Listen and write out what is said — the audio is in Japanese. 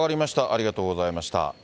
ありがとうございます。